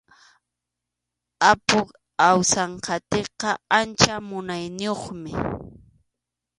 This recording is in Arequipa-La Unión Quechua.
Apu Awsanqatiqa ancha munayniyuqmi.